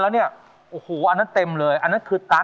ช่วยฝังดินหรือกว่า